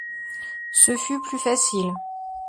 Ce fut plus facile.